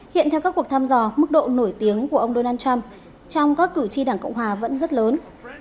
hiện theo các cuộc thăm dò mức độ nổi tiếng của ông donald trump trong các cử tri đảng cộng hòa vẫn rất lớn